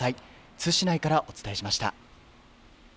津市内からお伝えしました。